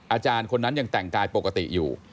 อาจารย์คนนั้นยังแต่งกายปกติอยู่